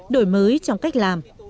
đổi mới trong cách làm